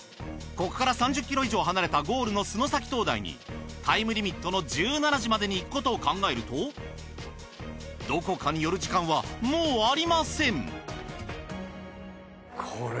ここから３０ｋｍ以上離れたゴールの洲埼灯台にタイムリミットの１７時までに行くことを考えるとどこかに寄る時間はもうありません。